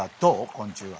昆虫は。